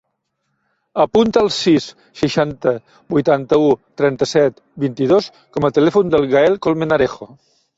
Apunta el sis, seixanta, vuitanta-u, trenta-set, vint-i-dos com a telèfon del Gael Colmenarejo.